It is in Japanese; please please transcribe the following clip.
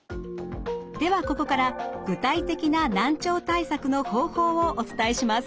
ではここから具体的な難聴対策の方法をお伝えします。